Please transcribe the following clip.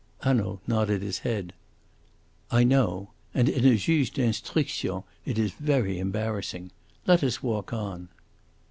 Hanaud nodded his head. "I know; and in a Juge d'Instruction it is very embarrassing. Let us walk on."